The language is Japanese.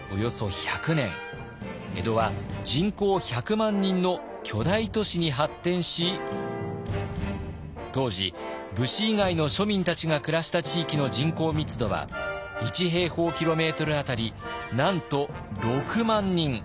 江戸は人口１００万人の巨大都市に発展し当時武士以外の庶民たちが暮らした地域の人口密度は１平方キロメートル当たりなんと６万人。